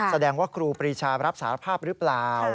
แสดงว่าครูปรีชารับสารภาพหรือเปล่า